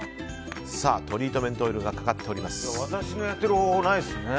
トリートメントオイルがかかっております。